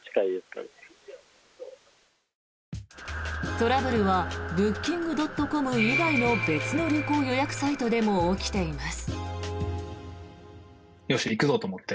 トラブルはブッキングドットコム以外の別の旅行予約サイトでも起きています。